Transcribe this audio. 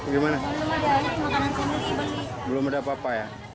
belum ada apa apa ya